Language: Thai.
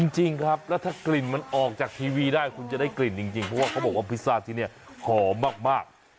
จริงครับแล้วถ้ากลิ่นมันออกจากทีวีได้คุณจะได้กลิ่นจริงเพราะว่าเขาบอกว่าพิซซ่าที่นี่หอมมาก